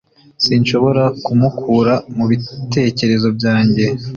Sinshobora kumukura mu bitekerezo byanjye